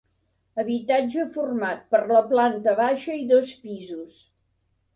Habitatge format per la planta baixa i dos pisos.